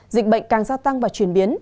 dịch bệnh càng gia tăng và chuyển biến